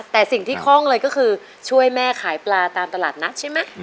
แต่สิ่งที่คล่องเลยก็คือช่วยแม่ขายปลาตามตลาดนัดใช่ไหม